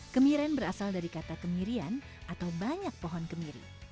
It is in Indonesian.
kemiren berasal dari kata kemirian atau banyak pohon kemiri